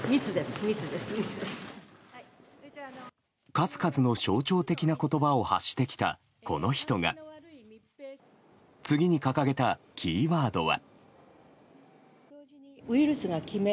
数々の象徴的な言葉を発してきたこの人が次に掲げたキーワードは。